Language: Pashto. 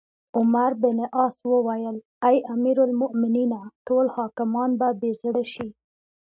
عمروبن عاص وویل: اې امیرالمؤمنینه! ټول حاکمان به بې زړه شي.